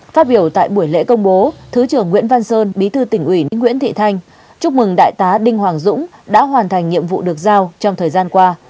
phát biểu tại buổi lễ công bố thứ trưởng nguyễn văn sơn bí thư tỉnh ủy nguyễn thị thanh chúc mừng đại tá đinh hoàng dũng đã hoàn thành nhiệm vụ được giao trong thời gian qua